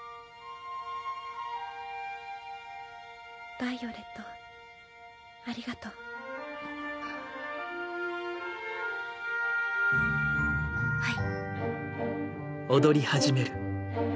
ヴァイオレットありがとう。はい。